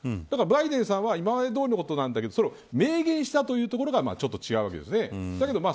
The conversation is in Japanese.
バイデンさんは今までどおりのことなんだけどそれを明言したというところが違うところなんです。